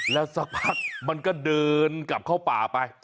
แล้วสักพักมันก็เดินกลับเข้าป่าไป